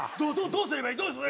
どうすればいい？」。